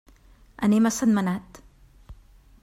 Anem a Sentmenat.